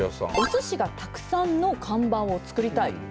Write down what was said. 「おすしがたくさんの看板を作りたい」。